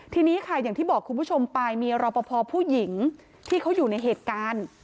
ทีนี้ค่ะอย่างที่บอกคุณผู้ชมไปมีรอปภผู้หญิงที่เขาอยู่ในเหตุการณ์